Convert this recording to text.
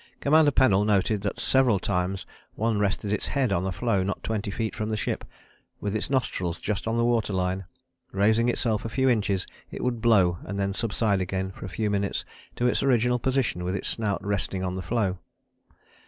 Commander Pennell noted that several times one rested its head on a floe not twenty feet from the ship, with its nostrils just on the water line; raising itself a few inches, it would blow and then subside again for a few minutes to its original position with its snout resting on the floe.